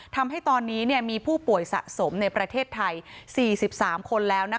ทำให้ตอนนี้มีผู้ป่วยสะสมในประเทศไทย๔๓คนแล้ว